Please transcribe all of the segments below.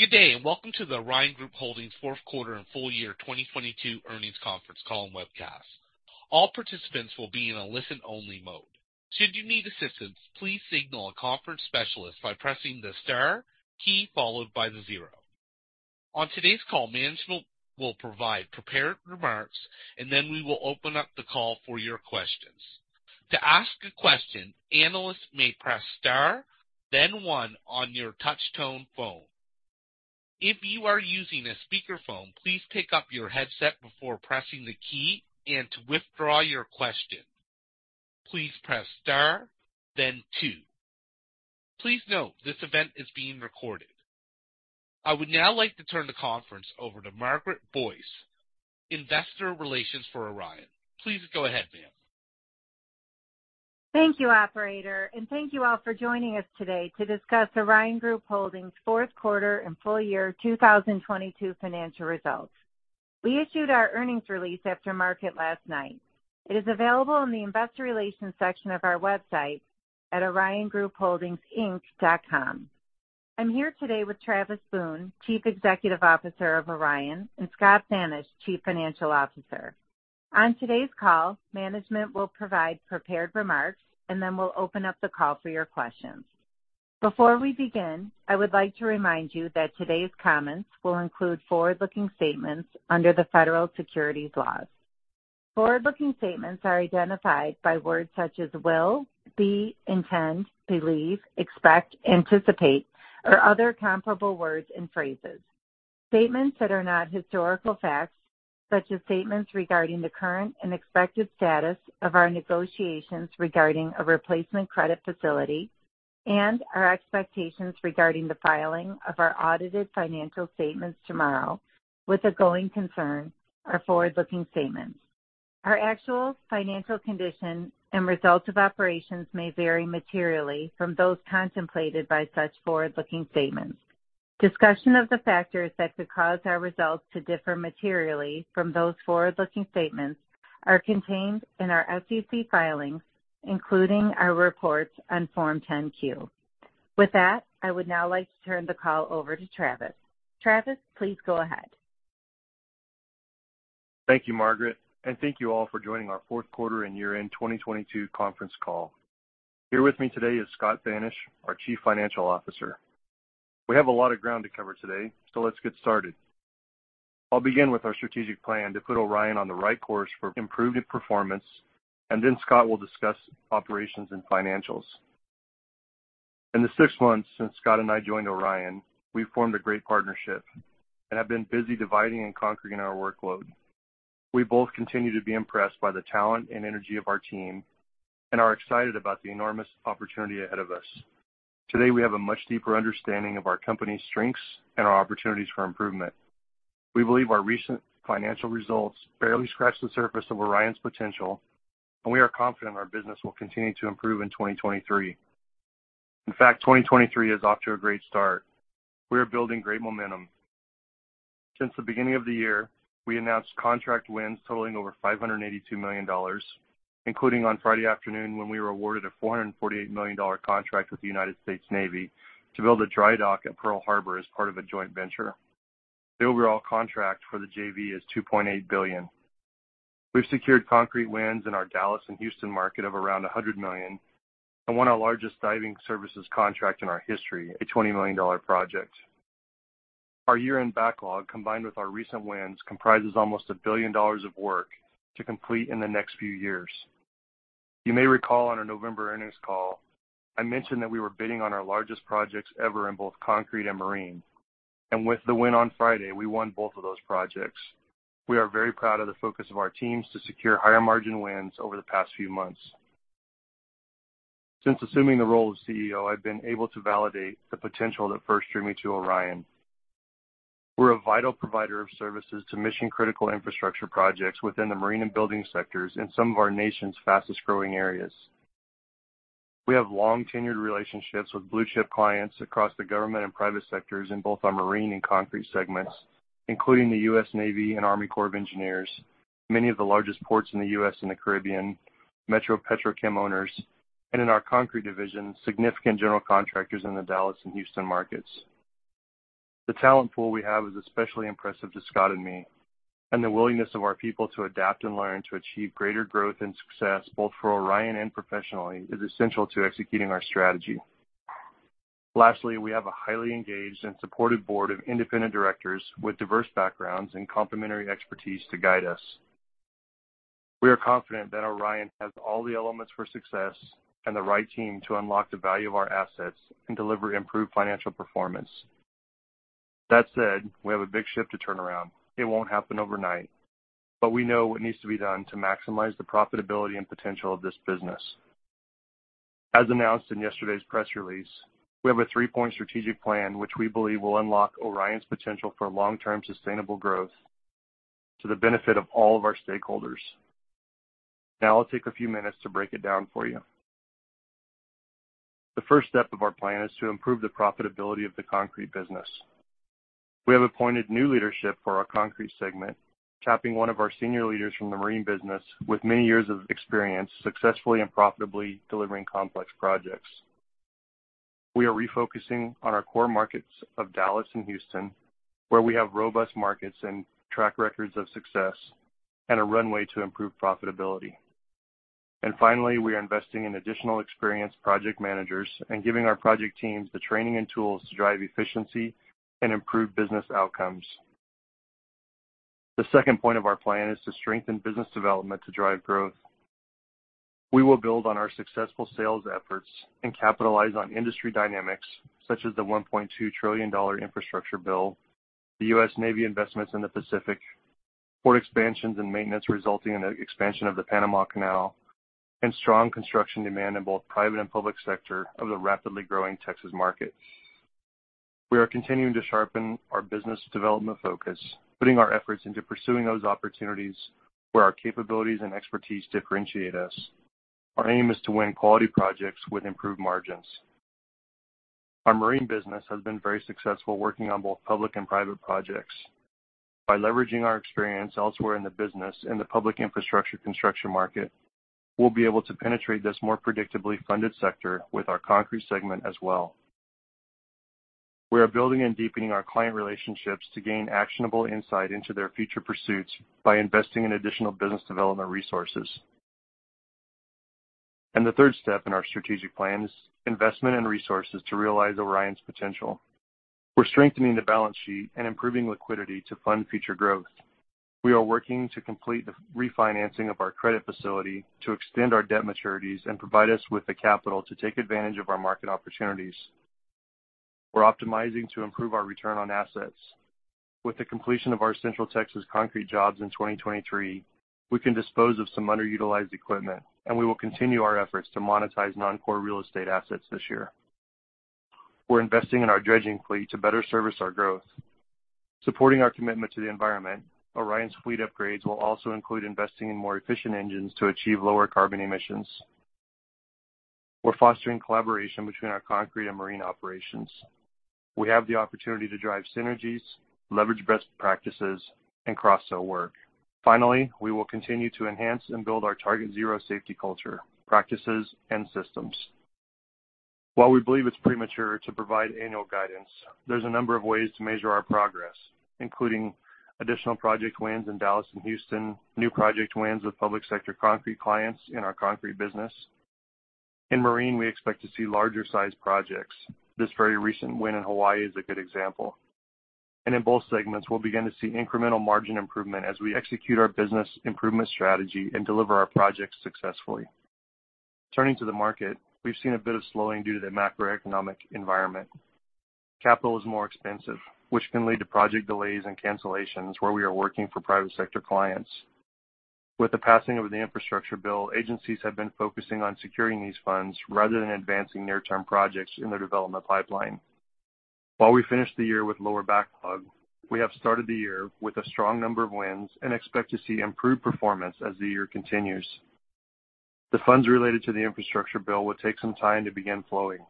Good day, and welcome to the Orion Group Holdings fourth quarter and full year 2022 earnings conference call and webcast. All participants will be in a listen-only mode. Should you need assistance, please signal a conference specialist by pressing the star key followed by the zero. On today's call, management will provide prepared remarks, and then we will open up the call for your questions. To ask a question, analysts may press star then one on your touch-tone phone. If you are using a speakerphone, please pick up your headset before pressing the key, and to withdraw your question, please press star then two. Please note this event is being recorded. I would now like to turn the conference over to Margaret Boyce, investor relations for Orion. Please go ahead, ma'am. Thank you, operator, and thank you all for joining us today to discuss Orion Group Holdings fourth quarter and full year 2022 financial results. We issued our earnings release after market last night. It is available in the investor relations section of our website at oriongroupholdingsinc.com. I'm here today with Travis Boone, Chief Executive Officer of Orion, and Scott Thanisch, Chief Financial Officer. On today's call, management will provide prepared remarks, and then we'll open up the call for your questions. Before we begin, I would like to remind you that today's comments will include forward-looking statements under the Federal Securities laws. Forward-looking statements are identified by words such as will, be, intend, believe, expect, anticipate, or other comparable words and phrases. Statements that are not historical facts, such as statements regarding the current and expected status of our negotiations regarding a replacement credit facility and our expectations regarding the filing of our audited financial statements tomorrow with a going concern are forward-looking statements. Our actual financial condition and results of operations may vary materially from those contemplated by such forward-looking statements. Discussion of the factors that could cause our results to differ materially from those forward-looking statements are contained in our SEC filings, including our reports on Form 10-Q. I would now like to turn the call over to Travis. Travis, please go ahead. Thank you, Margaret, and thank you all for joining our fourth quarter and year-end 2022 conference call. Here with me today is Scott Thanisch, our Chief Financial Officer. We have a lot of ground to cover today, so let's get started. I'll begin with our strategic plan to put Orion on the right course for improved performance, and then Scott will discuss operations and financials. In the six months since Scott and I joined Orion, we've formed a great partnership and have been busy dividing and conquering our workload. We both continue to be impressed by the talent and energy of our team and are excited about the enormous opportunity ahead of us. Today, we have a much deeper understanding of our company's strengths and our opportunities for improvement. We believe our recent financial results barely scratch the surface of Orion's potential. We are confident our business will continue to improve in 2023. In fact, 2023 is off to a great start. We are building great momentum. Since the beginning of the year, we announced contract wins totaling over $582 million, including on Friday afternoon when we were awarded a $448 million contract with the United States Navy to build a dry dock at Pearl Harbor as part of a joint venture. The overall contract for the JV is $2.8 billion. We've secured concrete wins in our Dallas and Houston market of around $100 million and won our largest diving services contract in our history, a $20 million project. Our year-end backlog, combined with our recent wins, comprises almost $1 billion of work to complete in the next few years. You may recall on our November earnings call, I mentioned that we were bidding on our largest projects ever in both concrete and marine. With the win on Friday, we won both of those projects. We are very proud of the focus of our teams to secure higher margin wins over the past few months. Since assuming the role of CEO, I've been able to validate the potential that first drew me to Orion. We're a vital provider of services to mission-critical infrastructure projects within the marine and building sectors in some of our nation's fastest-growing areas. We have long-tenured relationships with blue-chip clients across the government and private sectors in both our marine and concrete segments, including the U.S. Navy and U.S. Army Corps of Engineers, many of the largest ports in the U.S. and the Caribbean, metro petrochem owners, and in our concrete division, significant general contractors in the Dallas and Houston markets. The talent pool we have is especially impressive to Scott and me, and the willingness of our people to adapt and learn to achieve greater growth and success, both for Orion and professionally, is essential to executing our strategy. Lastly, we have a highly engaged and supported board of independent directors with diverse backgrounds and complementary expertise to guide us. We are confident that Orion has all the elements for success and the right team to unlock the value of our assets and deliver improved financial performance. We have a big ship to turn around. It won't happen overnight, but we know what needs to be done to maximize the profitability and potential of this business. As announced in yesterday's press release, we have a three-point strategic plan which we believe will unlock Orion's potential for long-term sustainable growth to the benefit of all of our stakeholders. I'll take a few minutes to break it down for you. The first step of our plan is to improve the profitability of the concrete business. We have appointed new leadership for our concrete segment, tapping one of our senior leaders from the marine business with many years of experience successfully and profitably delivering complex projects. We are refocusing on our core markets of Dallas and Houston, where we have robust markets and track records of success and a runway to improve profitability. Finally, we are investing in additional experienced project managers and giving our project teams the training and tools to drive efficiency and improve business outcomes. The second point of our plan is to strengthen business development to drive growth. We will build on our successful sales efforts and capitalize on industry dynamics such as the $1.2 trillion Infrastructure bill, the U.S. Navy investments in the Pacific, port expansions and maintenance resulting in the expansion of the Panama Canal, and strong construction demand in both private and public sector of the rapidly growing Texas market. We are continuing to sharpen our business development focus, putting our efforts into pursuing those opportunities where our capabilities and expertise differentiate us. Our aim is to win quality projects with improved margins. Our marine business has been very successful working on both public and private projects. By leveraging our experience elsewhere in the business in the public infrastructure construction market, we'll be able to penetrate this more predictably funded sector with our concrete segment as well. We are building and deepening our client relationships to gain actionable insight into their future pursuits by investing in additional business development resources. The third step in our strategic plan is investment in resources to realize Orion's potential. We're strengthening the balance sheet and improving liquidity to fund future growth. We are working to complete the refinancing of our credit facility to extend our debt maturities and provide us with the capital to take advantage of our market opportunities. We're optimizing to improve our return on assets. With the completion of our Central Texas concrete jobs in 2023, we can dispose of some underutilized equipment. We will continue our efforts to monetize non-core real estate assets this year. We're investing in our dredging fleet to better service our growth. Supporting our commitment to the environment, Orion's fleet upgrades will also include investing in more efficient engines to achieve lower carbon emissions. We're fostering collaboration between our concrete and marine operations. We have the opportunity to drive synergies, leverage best practices, and cross-sell work. Finally, we will continue to enhance and build our Target Zero safety culture, practices, and systems. While we believe it's premature to provide annual guidance, there's a number of ways to measure our progress, including additional project wins in Dallas and Houston, new project wins with public sector concrete clients in our concrete business. In marine, we expect to see larger-sized projects. This very recent win in Hawaii is a good example. In both segments, we'll begin to see incremental margin improvement as we execute our business improvement strategy and deliver our projects successfully. Turning to the market, we've seen a bit of slowing due to the macroeconomic environment. Capital is more expensive, which can lead to project delays and cancellations where we are working for private sector clients. With the passing of the infrastructure bill, agencies have been focusing on securing these funds rather than advancing near-term projects in their development pipeline. While we finished the year with lower backlog, we have started the year with a strong number of wins and expect to see improved performance as the year continues. The funds related to the infrastructure bill will take some time to begin flowing.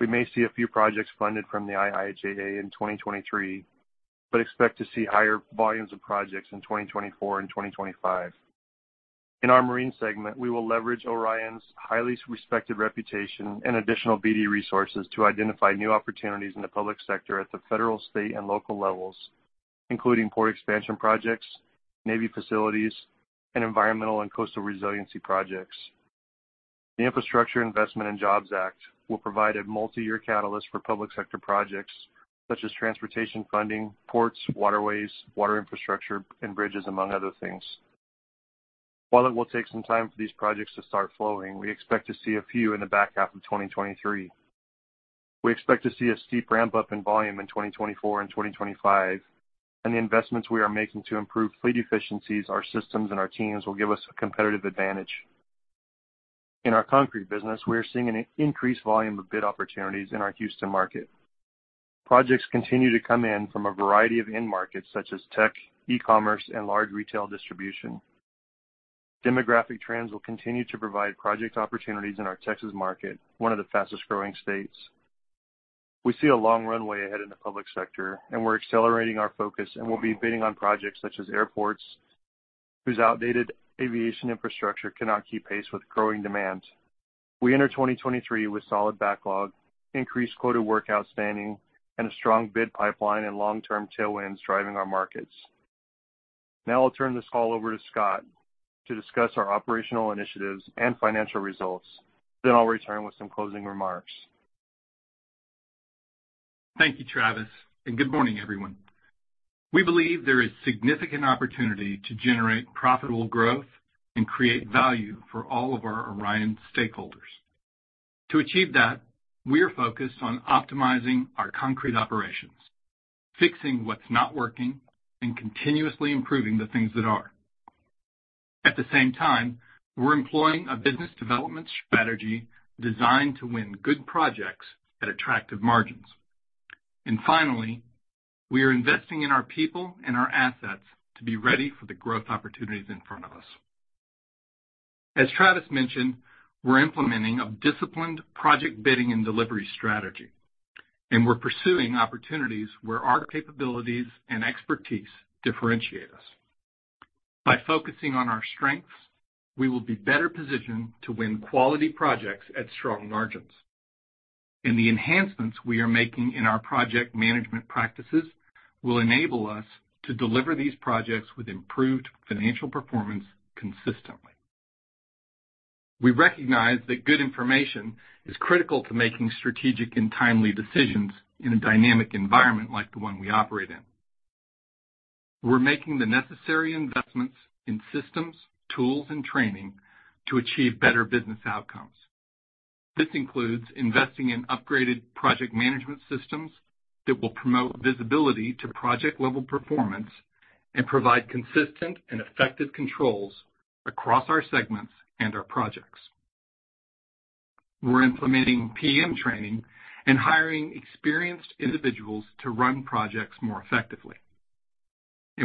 We may see a few projects funded from the IIJA in 2023. We expect to see higher volumes of projects in 2024 and 2025. In our marine segment, we will leverage Orion's highly respected reputation and additional BD resources to identify new opportunities in the public sector at the federal, state, and local levels, including port expansion projects, Navy facilities, and environmental and coastal resiliency projects. The Infrastructure Investment and Jobs Act will provide a multiyear catalyst for public sector projects such as transportation funding, ports, waterways, water infrastructure, and bridges, among other things. While it will take some time for these projects to start flowing, we expect to see a few in the back half of 2023. We expect to see a steep ramp-up in volume in 2024 and 2025, and the investments we are making to improve fleet efficiencies, our systems, and our teams will give us a competitive advantage. In our concrete business, we are seeing an increased volume of bid opportunities in our Houston market. Projects continue to come in from a variety of end markets such as tech, e-commerce, and large retail distribution. Demographic trends will continue to provide project opportunities in our Texas market, one of the fastest-growing states. We see a long runway ahead in the public sector, and we're accelerating our focus and will be bidding on projects such as airports, whose outdated aviation infrastructure cannot keep pace with growing demand. We enter 2023 with solid backlog, increased quota work outstanding, and a strong bid pipeline and long-term tailwinds driving our markets. I'll turn this call over to Scott to discuss our operational initiatives and financial results. I'll return with some closing remarks. Thank you, Travis. Good morning, everyone. We believe there is significant opportunity to generate profitable growth and create value for all of our Orion stakeholders. To achieve that, we are focused on optimizing our concrete operations, fixing what's not working, and continuously improving the things that are. At the same time, we're employing a business development strategy designed to win good projects at attractive margins. Finally, we are investing in our people and our assets to be ready for the growth opportunities in front of us. As Travis mentioned, we're implementing a disciplined project bidding and delivery strategy. We're pursuing opportunities where our capabilities and expertise differentiate us. By focusing on our strengths, we will be better positioned to win quality projects at strong margins. The enhancements we are making in our project management practices will enable us to deliver these projects with improved financial performance consistently. We recognize that good information is critical to making strategic and timely decisions in a dynamic environment like the one we operate in. We're making the necessary investments in systems, tools, and training to achieve better business outcomes. This includes investing in upgraded project management systems that will promote visibility to project-level performance and provide consistent and effective controls across our segments and our projects. We're implementing PM training and hiring experienced individuals to run projects more effectively.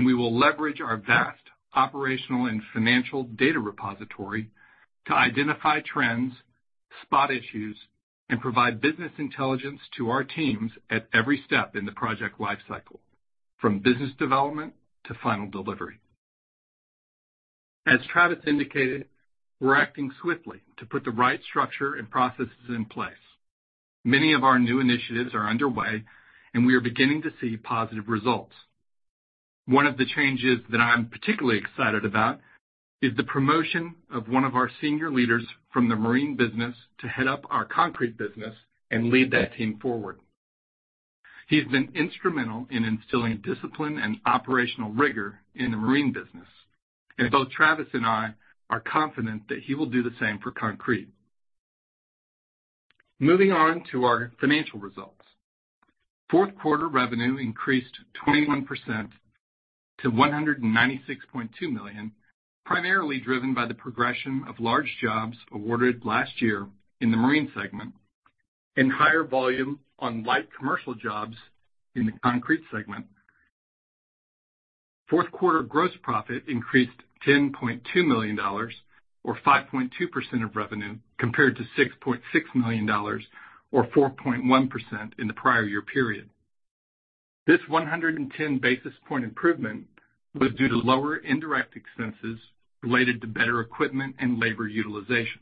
We will leverage our vast operational and financial data repository to identify trends, spot issues, and provide business intelligence to our teams at every step in the project lifecycle, from business development to final delivery. As Travis indicated, we're acting swiftly to put the right structure and processes in place. Many of our new initiatives are underway, and we are beginning to see positive results. One of the changes that I'm particularly excited about is the promotion of one of our senior leaders from the marine business to head up our concrete business and lead that team forward. He's been instrumental in instilling discipline and operational rigor in the marine business, and both Travis and I are confident that he will do the same for concrete. Moving on to our financial results. Fourth quarter revenue increased 21% to $196.2 million, primarily driven by the progression of large jobs awarded last year in the marine segment and higher volume on light commercial jobs in the concrete segment. Fourth quarter gross profit increased $10.2 million or 5.2% of revenue compared to $6.6 million or 4.1% in the prior year period. This 110 basis point improvement was due to lower indirect expenses related to better equipment and labor utilization,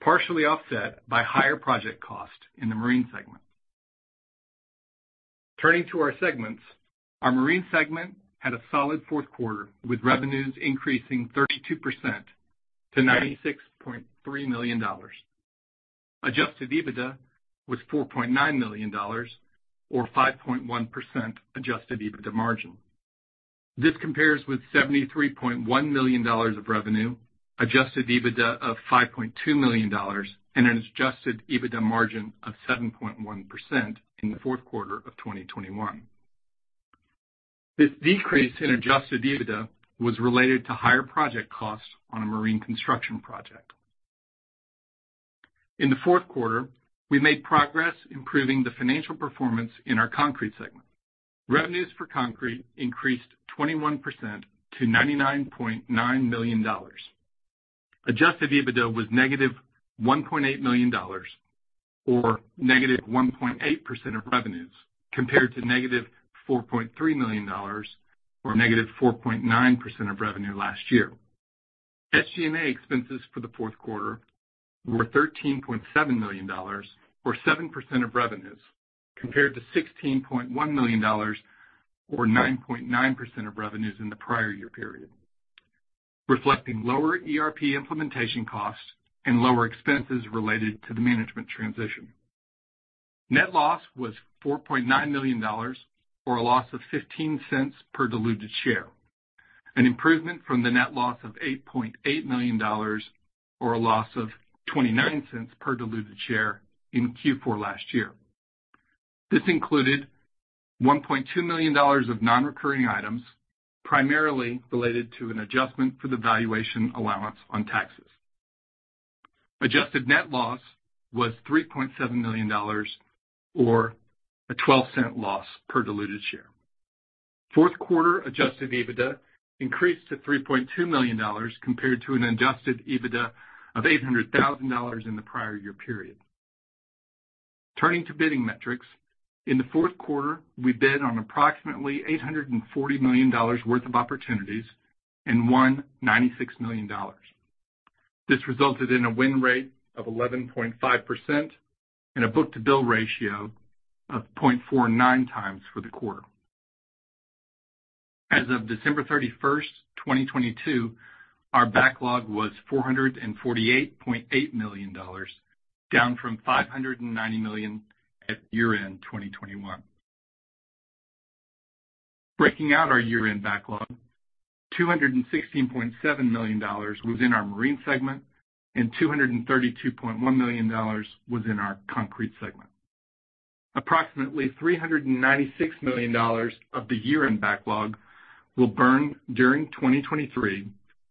partially offset by higher project cost in the marine segment. Turning to our segments. Our marine segment had a solid fourth quarter, with revenues increasing 32% to $96.3 million. adjusted EBITDA was $4.9 million or 5.1% adjusted EBITDA margin. This compares with $73.1 million of revenue, adjusted EBITDA of $5.2 million, and an adjusted EBITDA margin of 7.1% in the fourth quarter of 2021. This decrease in adjusted EBITDA was related to higher project costs on a marine construction project. In the fourth quarter, we made progress improving the financial performance in our concrete segment. Revenues for concrete increased 21% to $99.9 million. adjusted EBITDA was -$1.8 million or -1.8% of revenues, compared to -$4.3 million or -4.9% of revenue last year. SG&A expenses for the fourth quarter were $13.7 million or 7% of revenues, compared to $16.1 million or 9.9% of revenues in the prior year period, reflecting lower ERP implementation costs and lower expenses related to the management transition. Net loss was $4.9 million or a loss of $0.15 per diluted share, an improvement from the net loss of $8.8 million or a loss of $0.29 per diluted share in Q4 last year. This included $1.2 million of non-recurring items, primarily related to an adjustment for the valuation allowance on taxes. Adjusted net loss was $3.7 million or a $0.12 loss per diluted share. Fourth quarter adjusted EBITDA increased to $3.2 million compared to an adjusted EBITDA of $800,000 in the prior year period. Turning to bidding metrics. In the fourth quarter, we bid on approximately $840 million worth of opportunities and won $96 million. This resulted in a win rate of 11.5% and a book-to-bill ratio of 0.49 times for the quarter. As of December 31, 2022, our backlog was $448.8 million, down from $590 million at year-end 2021. Breaking out our year-end backlog, $216.7 million was in our marine segment and $232.1 million was in our concrete segment. Approximately $396 million of the year-end backlog will burn during 2023,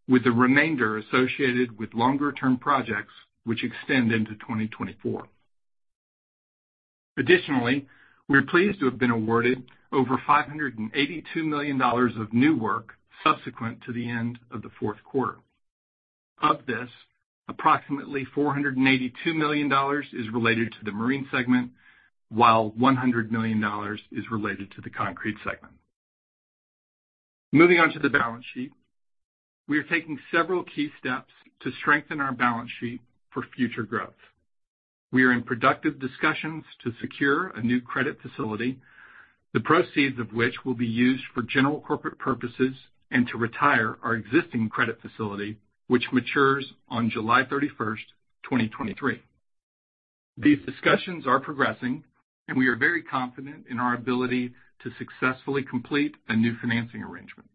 with the remainder associated with longer-term projects which extend into 2024. Additionally, we're pleased to have been awarded over $582 million of new work subsequent to the end of the fourth quarter. Of this, approximately $482 million is related to the marine segment, while $100 million is related to the concrete segment. Moving on to the balance sheet. We are taking several key steps to strengthen our balance sheet for future growth. We are in productive discussions to secure a new credit facility, the proceeds of which will be used for general corporate purposes and to retire our existing credit facility, which matures on July 31, 2023. These discussions are progressing, and we are very confident in our ability to successfully complete a new financing arrangement.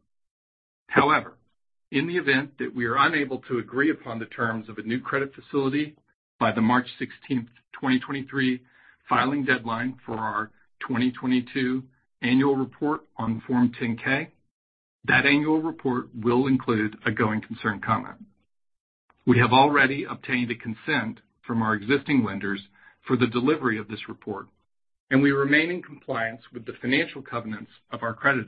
However, in the event that we are unable to agree upon the terms of a new credit facility by the March 16, 2023, filing deadline for our 2022 annual report on Form 10-K, that annual report will include a going concern comment. We have already obtained a consent from our existing lenders for the delivery of this report, and we remain in compliance with the financial covenants of our credit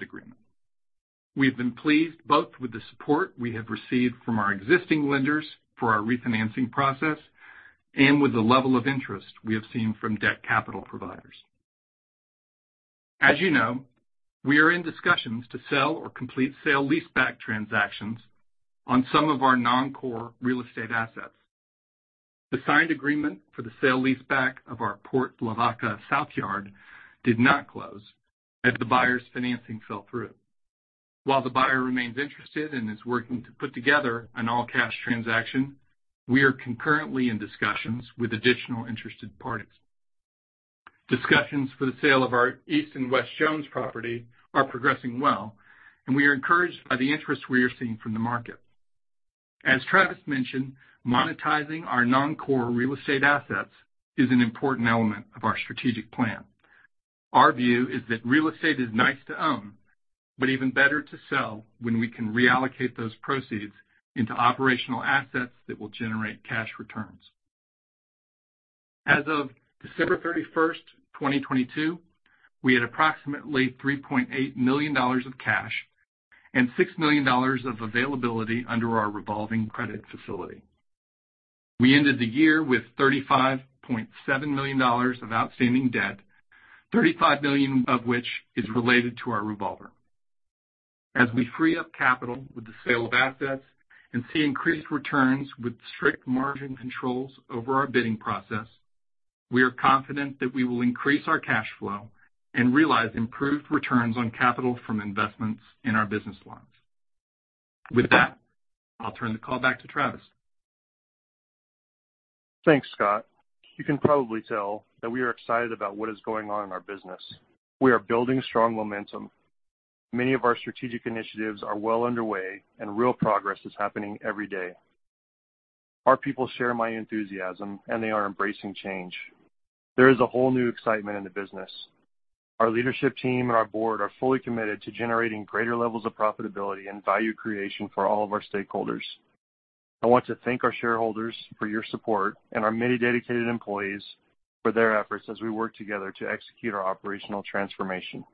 agreement. We've been pleased both with the support we have received from our existing lenders for our refinancing process and with the level of interest we have seen from debt capital providers. As you know, we are in discussions to sell or complete sale-leaseback transactions on some of our non-core real estate assets. The signed agreement for the sale-leaseback of our Port Lavaca south yard did not close as the buyer's financing fell through. While the buyer remains interested and is working to put together an all-cash transaction, we are concurrently in discussions with additional interested parties. Discussions for the sale of our East and West Jones property are progressing well, and we are encouraged by the interest we are seeing from the market. As Travis mentioned, monetizing our non-core real estate assets is an important element of our strategic plan. Our view is that real estate is nice to own, but even better to sell when we can reallocate those proceeds into operational assets that will generate cash returns. As of December 31st, 2022, we had approximately $3.8 million of cash and $6 million of availability under our revolving credit facility. We ended the year with $35.7 million of outstanding debt, $35 million of which is related to our revolver. As we free up capital with the sale of assets and see increased returns with strict margin controls over our bidding process, we are confident that we will increase our cash flow and realize improved returns on capital from investments in our business lines. With that, I'll turn the call back to Travis. Thanks, Scott. You can probably tell that we are excited about what is going on in our business. We are building strong momentum. Many of our strategic initiatives are well underway, and real progress is happening every day. Our people share my enthusiasm, and they are embracing change. There is a whole new excitement in the business. Our leadership team and our board are fully committed to generating greater levels of profitability and value creation for all of our stakeholders. I want to thank our shareholders for your support and our many dedicated employees for their efforts as we work together to execute our operational transformation.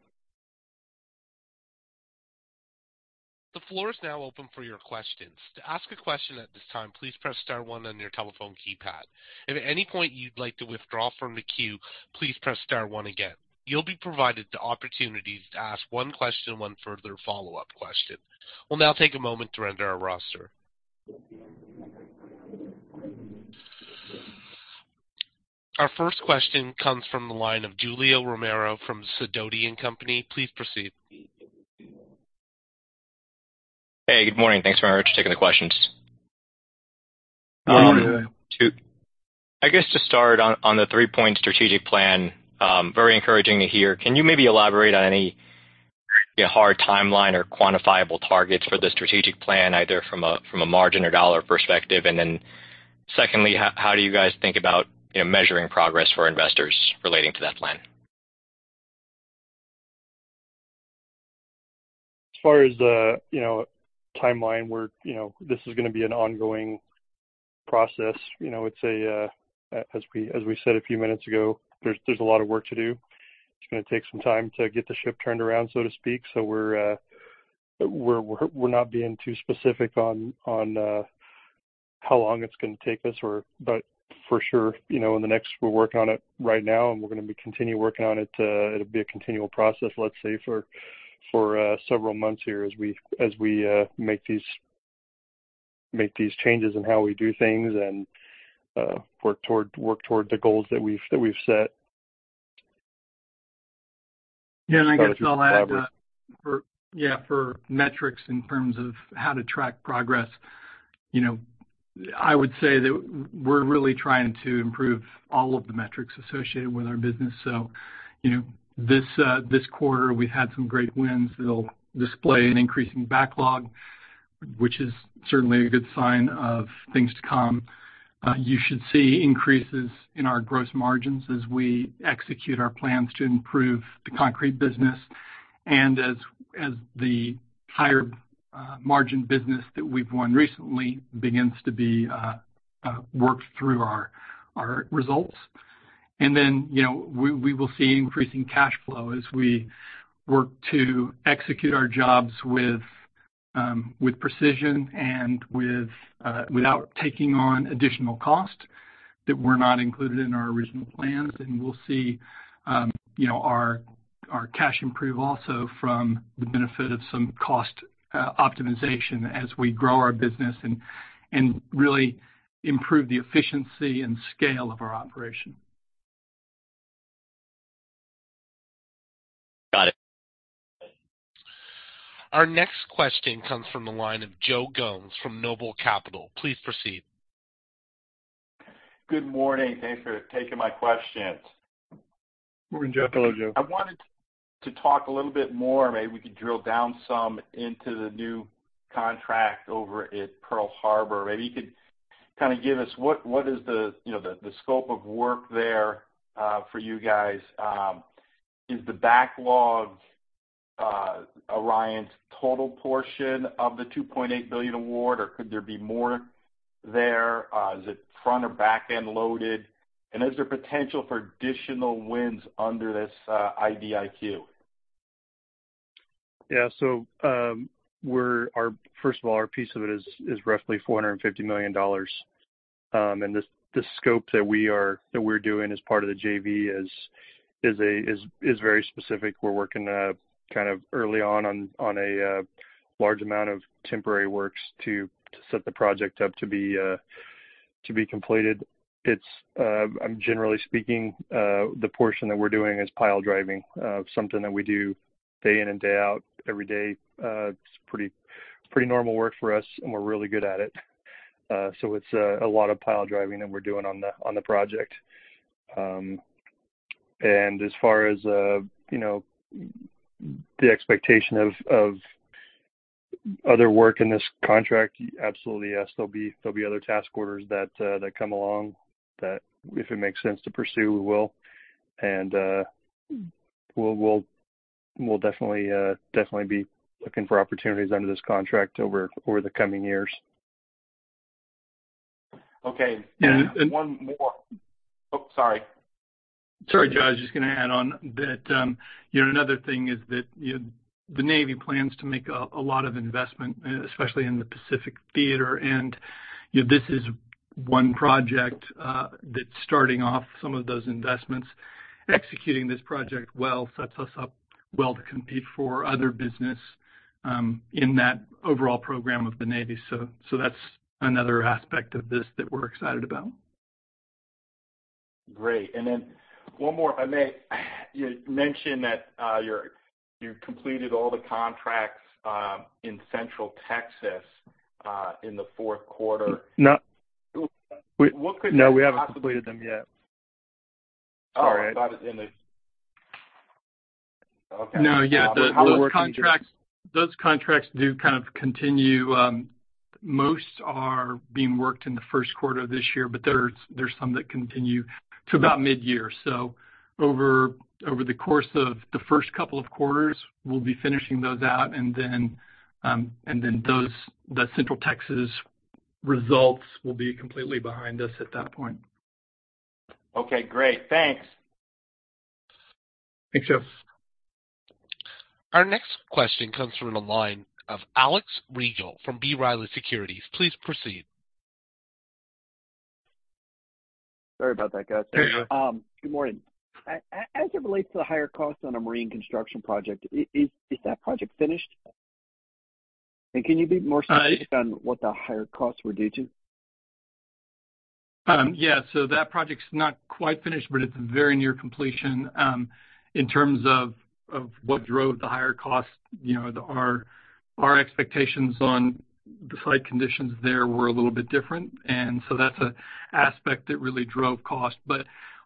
The floor is now open for your questions. To ask a question at this time, please press star one on your telephone keypad. If at any point you'd like to withdraw from the queue, please press star one again. You'll be provided the opportunity to ask one question and one further follow-up question. We'll now take a moment to render our roster. Our first question comes from the line of Julio Romero from Sidoti & Company. Please proceed. Hey, good morning. Thanks for taking the questions. Good morning. I guess to start on the three-point strategic plan, very encouraging to hear. Can you maybe elaborate on any hard timeline or quantifiable targets for the strategic plan, either from a margin or dollar perspective? Secondly, how do you guys think about, you know, measuring progress for investors relating to that plan? As far as the, you know, timeline where, you know, this is gonna be an ongoing process. You know, it's a, as we said a few minutes ago, there's a lot of work to do. It's gonna take some time to get the ship turned around, so to speak. We're not being too specific on how long it's gonna take us or. For sure, you know, We're working on it right now, and we're gonna be continuing working on it. It'll be a continual process, let's say, for several months here as we make these changes in how we do things and work toward the goals that we've set. I guess I'll add for metrics in terms of how to track progress. You know, I would say that we're really trying to improve all of the metrics associated with our business. You know, this quarter, we had some great wins that'll display an increase in backlog, which is certainly a good sign of things to come. You should see increases in our gross margins as we execute our plans to improve the concrete business. And as the higher margin business that we've won recently begins to be worked through our results. You know, we will see increasing cash flow as we work to execute our jobs with precision and without taking on additional cost that were not included in our original plans. We'll see, you know, our cash improve also from the benefit of some cost optimization as we grow our business and really improve the efficiency and scale of our operation. Got it. Our next question comes from the line of Joe Gomes from Noble Capital. Please proceed. Good morning. Thanks for taking my questions. Morning, Joe. Hello, Joe. I wanted to talk a little bit more maybe we could drill down some into the new contract over at Pearl Harbor. Maybe you could kind of give us what is the, you know, the scope of work there for you guys. Is the backlog Orion's total portion of the $2.8 billion award, or could there be more there? Is it front or back-end loaded? Is there potential for additional wins under this IDIQ? Yeah. First of all, our piece of it is roughly $450 million. The scope that we're doing as part of the JV is very specific. We're working, kind of early on a large amount of temporary works to set the project up to be completed. It's generally speaking, the portion that we're doing is pile driving, something that we do day in and day out, every day. It's pretty normal work for us, and we're really good at it. It's a lot of pile driving that we're doing on the project. As far as, you know, the expectation of other work in this contract, absolutely yes, there'll be other task orders that come along that if it makes sense to pursue, we will. We'll definitely be looking for opportunities under this contract over the coming years. Okay. And one more. Oh, sorry. Sorry, Joe. I was just gonna add on that, you know, another thing is that, you know, the Navy plans to make a lot of investment, especially in the Pacific Theater, and, you know, this is one project that's starting off some of those investments. Executing this project well sets us up well to compete for other business in that overall program of the Navy. So that's another aspect of this that we're excited about. Great. One more, if I may. You mentioned that you completed all the contracts in Central Texas in the fourth quarter. No- What could possibly- No, we haven't completed them yet. Sorry. Oh, got it. In the... Okay. No, yeah. Those contracts do kind of continue, most are being worked in the first quarter of this year, but there's some that continue to about mid-year. Over the course of the first couple of quarters, we'll be finishing those out and then the Central Texas results will be completely behind us at that point. Okay, great. Thanks. Thanks, Joe. Our next question comes from the line of Alex Rygiel from B. Riley Securities. Please proceed. Sorry about that, guys. Hey, Alex. Good morning. As it relates to the higher costs on a marine construction project, is that project finished? Can you be more specific on what the higher costs were due to? Yeah. That project's not quite finished, but it's very near completion. In terms of what drove the higher cost, you know, our expectations on the site conditions there were a little bit different, and so that's an aspect that really drove cost.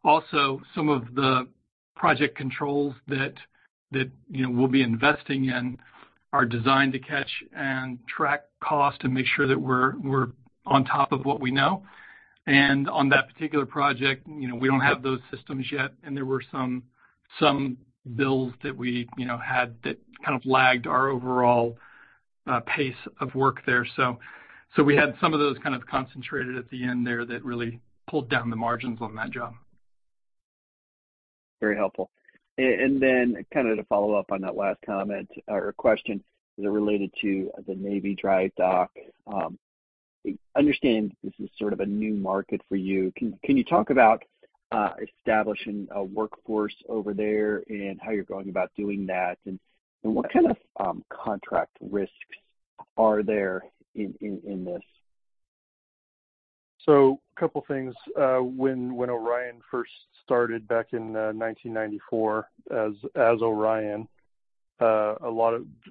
Also some of the project controls that, you know, we'll be investing in are designed to catch and track cost and make sure that we're on top of what we know. On that particular project, you know, we don't have those systems yet, and there were some bills that we, you know, had that kind of lagged our overall pace of work there. We had some of those kind of concentrated at the end there that really pulled down the margins on that job. Very helpful. Then kind of to follow up on that last comment or question, is it related to the Navy dry dock? I understand this is sort of a new market for you. Can you talk about establishing a workforce over there and how you're going about doing that? What kind of contract risks are there in this? A couple of things. When Orion first started back in 1994 as Orion,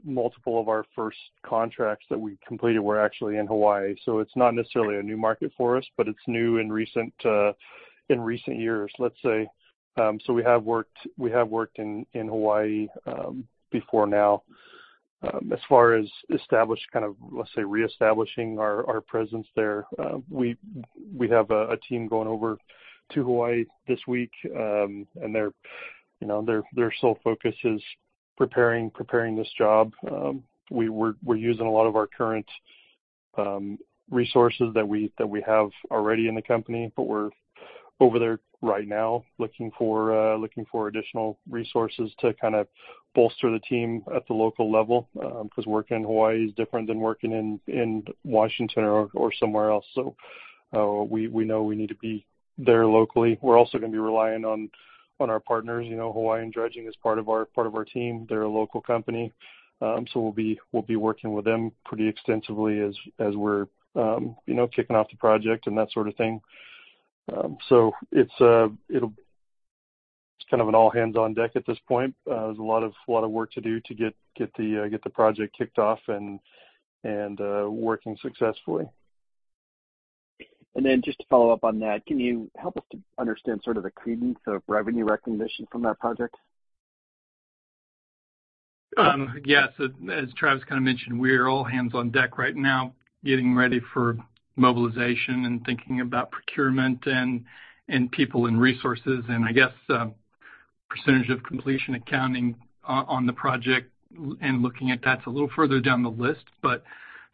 multiple of our first contracts that we completed were actually in Hawaii. It's not necessarily a new market for us, but it's new in recent years, let's say. We have worked in Hawaii before now. As far as established, kind of, let's say, reestablishing our presence there, we have a team going over to Hawaii this week, and their, you know, their sole focus is preparing this job. We're using a lot of our current resources that we have already in the company, but we're over there right now looking for additional resources to kind of bolster the team at the local level, because working in Hawaii is different than working in Washington or somewhere else. We know we need to be there locally. We're also gonna be relying on our partners. You know, Hawaiian Dredging is part of our team. They're a local company. We'll be working with them pretty extensively as we're, you know, kicking off the project and that sort of thing. It's kind of an all-hands-on-deck at this point. There's a lot of work to do to get the project kicked off and working successfully. Then just to follow up on that, can you help us to understand sort of the credence of revenue recognition from that project? Yes. As Travis kind of mentioned, we are all hands on deck right now, getting ready for mobilization and thinking about procurement and people and resources. I guess, percentage-of-completion accounting on the project and looking at that's a little further down the list.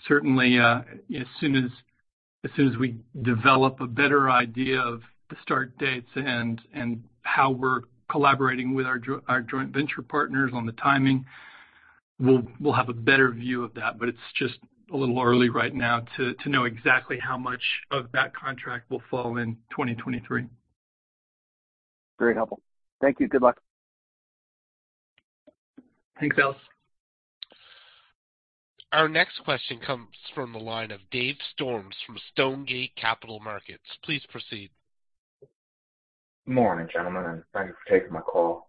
Certainly, as soon as we develop a better idea of the start dates and how we're collaborating with our joint venture partners on the timing, we'll have a better view of that. It's just a little early right now to know exactly how much of that contract will fall in 2023. Very helpful. Thank you. Good luck. Thanks, Alex. Our next question comes from the line of Dave Storms from Stonegate Capital Markets. Please proceed. Morning, gentlemen, and thank you for taking my call.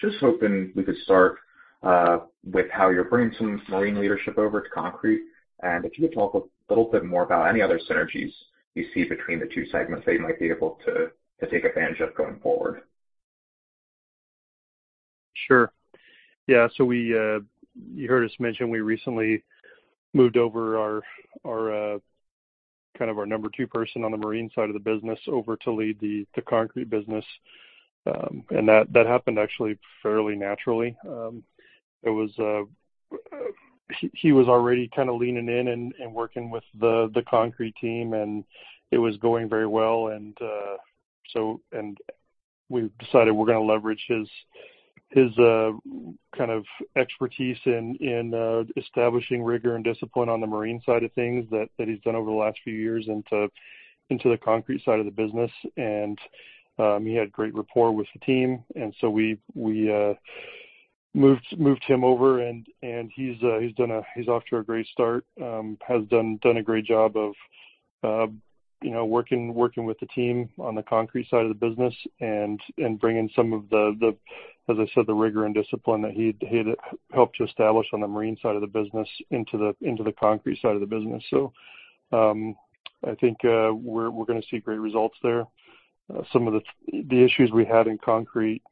Just hoping we could start with how you're bringing some marine leadership over to concrete. If you could talk a little bit more about any other synergies you see between the two segments that you might be able to take advantage of going forward. Sure. Yeah. We, you heard us mention we recently moved over our, kind of our number two person on the marine side of the business over to lead the concrete business. That happened actually fairly naturally. It was, he was already kind of leaning in and working with the concrete team, and it was going very well. We decided we're gonna leverage his kind of expertise in establishing rigor and discipline on the marine side of things that he's done over the last few years into the concrete side of the business. He had great rapport with the team, we moved him over and he's off to a great start. has done a great job of, you know, working with the team on the concrete side of the business and bringing some of the, as I said, the rigor and discipline that he'd helped to establish on the marine side of the business into the concrete side of the business. I think, we're gonna see great results there. Some of the issues we had in concrete,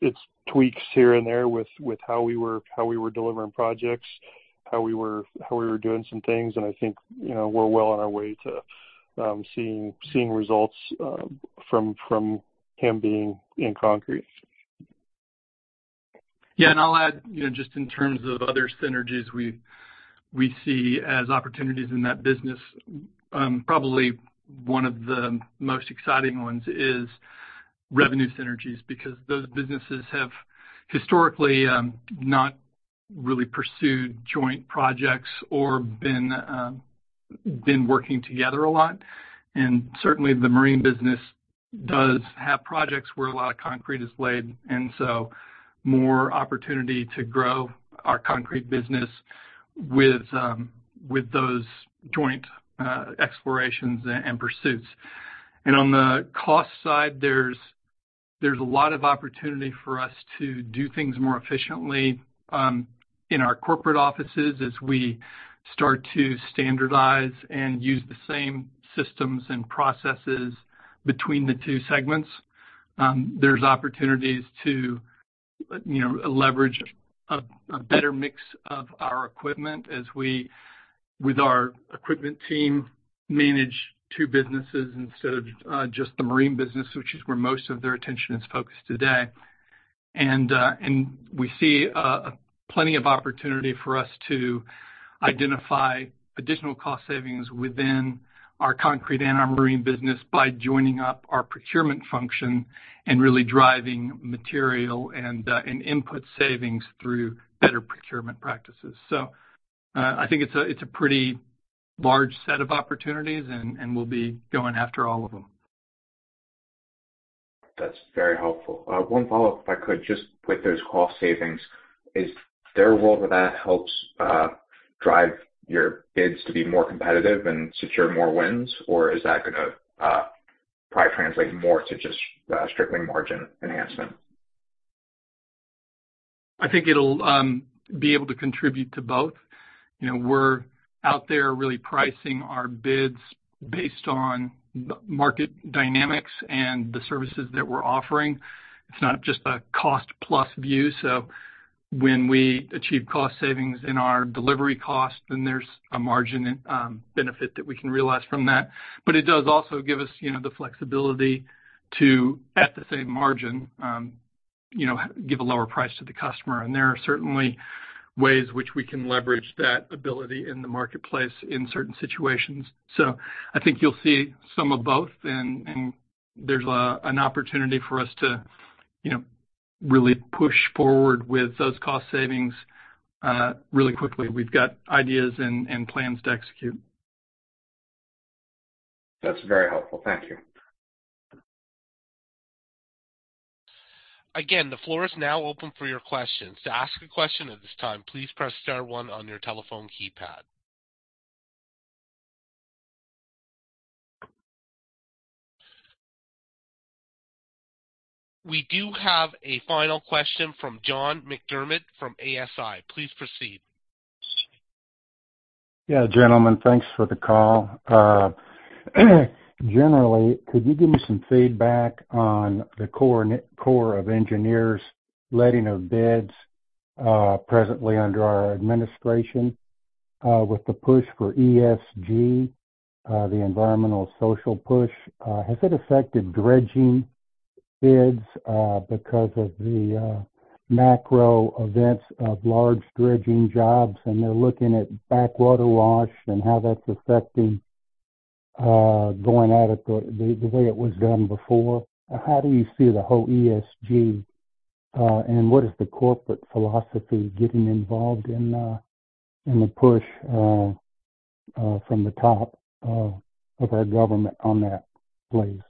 it's tweaks here and there with how we were delivering projects, how we were doing some things, and I think, you know, we're well on our way to seeing results from him being in concrete. Yeah. I'll add, you know, just in terms of other synergies we see as opportunities in that business, probably one of the most exciting ones is revenue synergies, because those businesses have historically not really pursued joint projects or been working together a lot. Certainly, the marine business does have projects where a lot of concrete is laid, so more opportunity to grow our concrete business with those joint explorations and pursuits. On the cost side, there's a lot of opportunity for us to do things more efficiently in our corporate offices as we start to standardize and use the same systems and processes between the two segments. There's opportunities to, you know, leverage a better mix of our equipment as we, with our equipment team, manage two businesses instead of just the marine business, which is where most of their attention is focused today. We see plenty of opportunity for us to identify additional cost savings within our concrete and our marine business by joining up our procurement function and really driving material and input savings through better procurement practices. I think it's a pretty large set of opportunities, and we'll be going after all of them. That's very helpful. One follow-up, if I could, just with those cost savings. Is there a role where that helps drive your bids to be more competitive and secure more wins? Or is that gonna probably translate more to just strictly margin enhancement? I think it'll be able to contribute to both. You know, Out there really pricing our bids based on the market dynamics and the services that we're offering. It's not just a cost plus view. So when we achieve cost savings in our delivery costs, then there's a margin benefit that we can realize from that. But it does also give us, you know, the flexibility to, at the same margin, you know, give a lower price to the customer. And there are certainly ways which we can leverage that ability in the marketplace in certain situations. So I think you'll see some of both and there's an opportunity for us to, you know, really push forward with those cost savings really quickly. We've got ideas and plans to execute. That's very helpful. Thank you. Again, the floor is now open for your questions. To ask a question at this time, please press star one on your telephone keypad. We do have a final question from John McDermott from ASI. Please proceed. Yeah, gentlemen, thanks for the call. Generally, could you give me some feedback on the Corps of Engineers letting of bids, presently under our administration, with the push for ESG, the environmental social push, has it affected dredging bids, because of the macro events of large dredging jobs, and they're looking at backwater wash and how that's affecting going at it the way it was done before? How do you see the whole ESG, and what is the corporate philosophy getting involved in the push from the top of our government on that, please?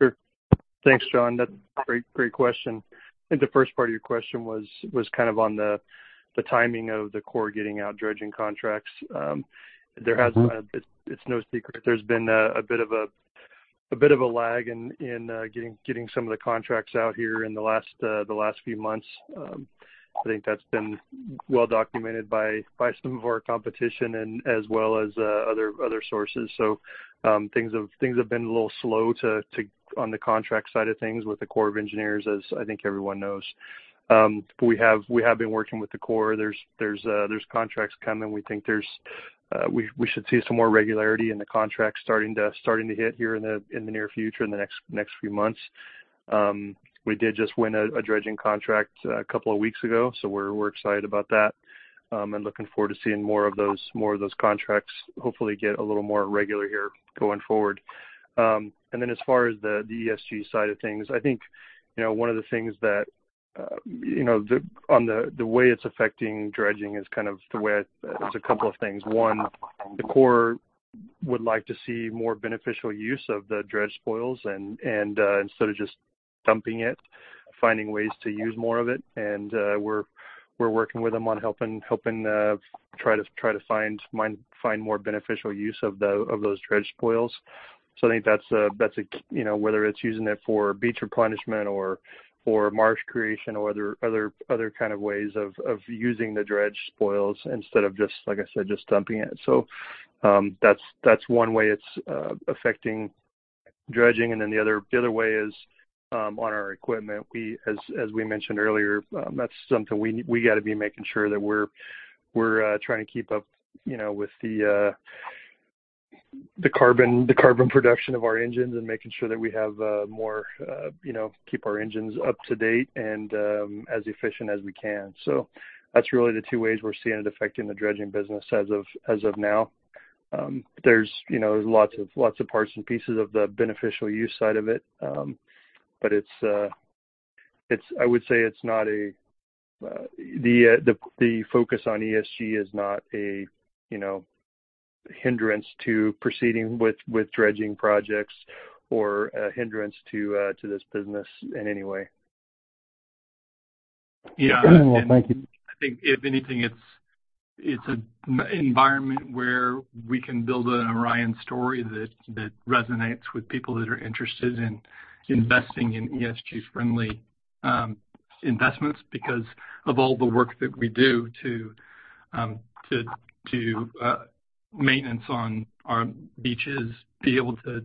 Sure. Thanks, John. That's a great question. I think the first part of your question was kind of on the timing of the Corps getting out dredging contracts. It's no secret there's been a bit of a lag in getting some of the contracts out here in the last the last few months. I think that's been well documented by some of our competition and as well as other sources. Things have been a little slow to on the contract side of things with the Corps of Engineers as I think everyone knows. We have been working with the Corps. There's contracts coming. We think there's we should see some more regularity in the contracts starting to hit here in the near future, in the next few months. We did just win a dredging contract a couple of weeks ago. We're excited about that. Looking forward to seeing more of those contracts hopefully get a little more regular here going forward. As far as the ESG side of things, I think, you know, one of the things that, you know, the way it's affecting dredging is kind of the way it's a couple of things. One, the Corps would like to see more beneficial use of the dredge spoils. Instead of just dumping it, finding ways to use more of it. We're working with them on helping try to find more beneficial use of those dredge spoils. I think that's a, you know, whether it's using it for beach replenishment or marsh creation or other kind of ways of using the dredge spoils instead of just, like I said, just dumping it. That's one way it's affecting dredging. The other way is on our equipment. As we mentioned earlier, that's something we gotta be making sure that we're trying to keep up, you know, with the carbon production of our engines and making sure that we have more, you know, keep our engines up to date and as efficient as we can. That's really the two ways we're seeing it affecting the dredging business as of now. There's, you know, there's lots of parts and pieces of the beneficial use side of it. I would say the focus on ESG is not a, you know, hindrance to proceeding with dredging projects or a hindrance to this business in any way. Yeah. Well, thank you. I think if anything, it's an environment where we can build an Orion story that resonates with people that are interested in investing in ESG-friendly investments because of all the work that we do to maintenance on our beaches, be able to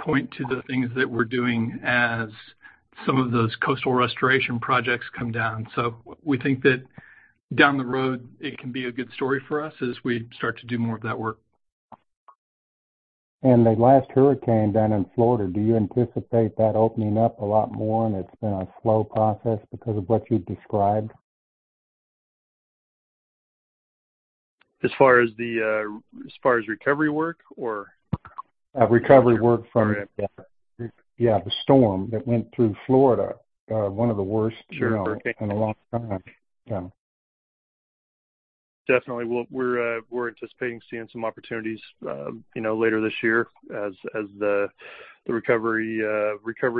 point to the things that we're doing as some of those coastal restoration projects come down. We think that down the road, it can be a good story for us as we start to do more of that work. The last hurricane down in Florida, do you anticipate that opening up a lot more, and it's been a slow process because of what you've described? As far as recovery work or? Recovery work from the... Sorry. Yeah, the storm that went through Florida, one of the worst... Sure. You know, in a long time. Yeah. Definitely. We're anticipating seeing some opportunities, you know, later this year as the recovery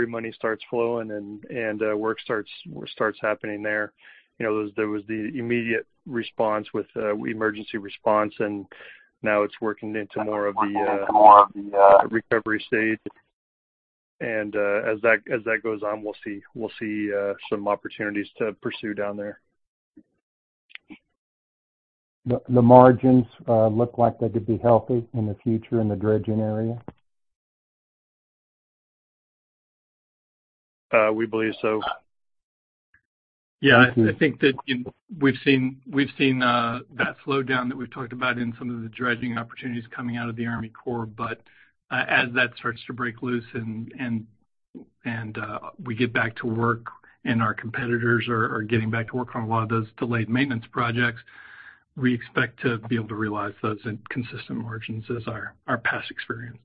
money starts flowing and work starts happening there. You know, there's, there was the immediate response with emergency response, and now it's working into more of the more of the recovery stage. And as that goes on, we'll see some opportunities to pursue down there. The margins look like they could be healthy in the future in the dredging area? We believe so. Yeah. I think that, you know, we've seen that slowdown that we've talked about in some of the dredging opportunities coming out of the Army Corps. As that starts to break loose and we get back to work and our competitors are getting back to work on a lot of those delayed maintenance projects, we expect to be able to realize those in consistent margins as our past experience.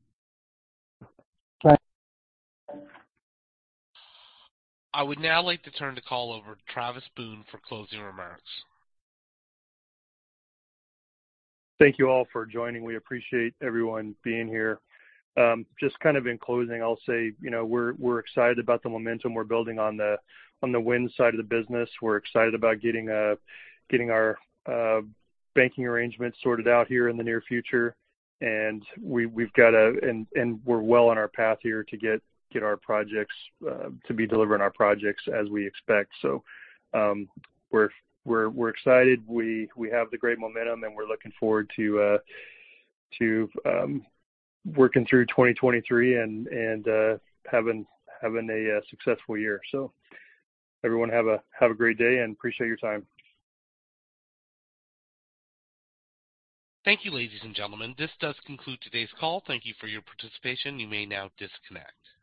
Okay. I would now like to turn the call over to Travis Boone for closing remarks. Thank you all for joining. We appreciate everyone being here. Just kind of in closing, I'll say, you know, we're excited about the momentum we're building on the wind side of the business. We're excited about getting our banking arrangements sorted out here in the near future. We're well on our path here to get our projects to be delivering our projects as we expect. We're excited. We have the great momentum, and we're looking forward to working through 2023 and having a successful year. Everyone have a great day and appreciate your time. Thank you, ladies and gentlemen. This does conclude today's call. Thank you for your participation. You may now disconnect.